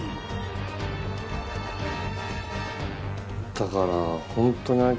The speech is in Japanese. だから。